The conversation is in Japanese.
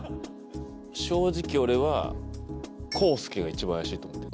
正直俺は康助が一番怪しいと思ってる。